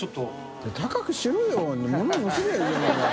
犬磴高くしろよ物載せればいいじゃないかよ。